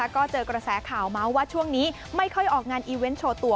ก็เจอกระแสข่าวเมาส์ว่าช่วงนี้ไม่ค่อยออกงานอีเวนต์โชว์ตัว